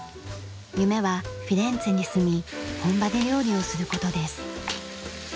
夢はフィレンツェに住み本場で料理をする事です。